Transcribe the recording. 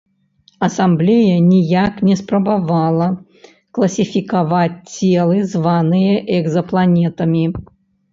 Асамблея ніяк не спрабавала класіфікаваць целы, званыя экзапланетамі.